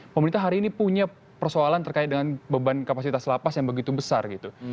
pemerintah hari ini punya persoalan terkait dengan beban kapasitas lapas yang begitu besar gitu